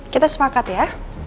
kita semangat ya